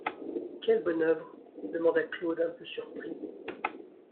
Quelle bonne œuvre ? demanda Claude un peu surpris.